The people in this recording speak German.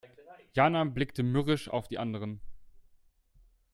Jana blickte mürrisch auf die anderen.